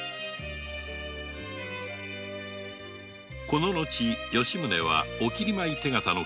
この後吉宗は御切米手形の換金